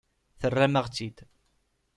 Terram-aɣ-tt-id.